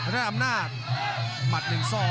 สำหรับอำนาจหมัด๑๒